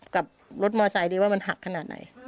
กับรถมอไซค์ดีว่ามันหักขนาดไหน